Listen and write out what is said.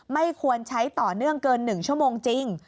ไม่ควรใช้ต่อเนื่องเกิน๑ชั่วโมงจริง